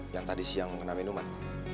yang tadi siang kena minuman